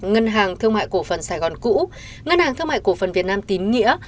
ngân hàng thương mại cổ phần sài gòn cũ ngân hàng thương mại cổ phần việt nam tín nghĩa